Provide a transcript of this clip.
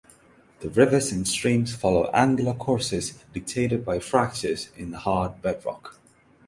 The rivers and streams follow angular courses dictated by fractures in the hard bedrock.